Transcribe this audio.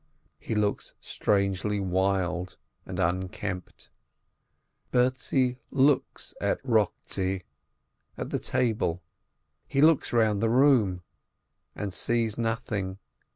He looks strangely wild and unkempt. Bertzi looks at Rochtzi, at the table, he looks round the room, and sees nothing.